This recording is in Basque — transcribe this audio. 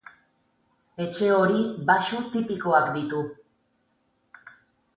Etxe hori baxu tipikoak ditu.